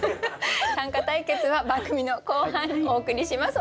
短歌対決は番組の後半お送りします。